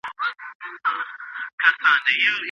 د سیمې خلک غواړي چي په دلارام کي یو پوهنتون جوړ سي